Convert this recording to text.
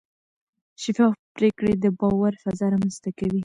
شفاف پریکړې د باور فضا رامنځته کوي.